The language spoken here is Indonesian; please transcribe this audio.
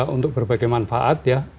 untuk berbagai manfaat ya